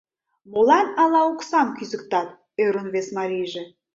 — Молан ала оксам кӱзыктат?! — ӧрын вес марийже.